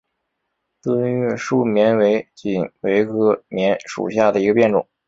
钝叶树棉为锦葵科棉属下的一个变种。